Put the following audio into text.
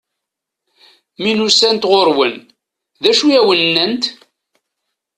Mi n-usant ɣur-wen, d acu i awen-nnant?